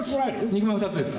肉まん２つですか？